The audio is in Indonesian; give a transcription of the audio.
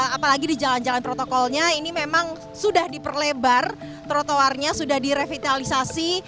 apalagi di jalan jalan protokolnya ini memang sudah diperlebar trotoarnya sudah direvitalisasi